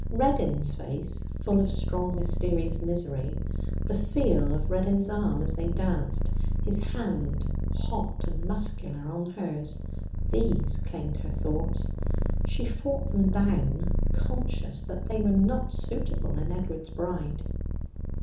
Reddin's face, full of strong, mysterious misery; the feel of Reddin's arm as they danced; his hand, hot and muscular, on hers these claimed her thoughts. She fought them down, conscious that they were not suitable in Edward's bride.